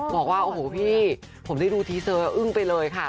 บอกว่าโอ้โหพี่ผมได้ดูทีเซอร์อึ้งไปเลยค่ะ